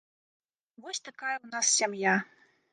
Вось такая ў нас сям'я.